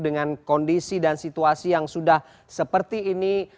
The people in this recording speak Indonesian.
dengan kondisi dan situasi yang sudah seperti ini